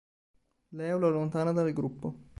Leo lo allontana dal gruppo.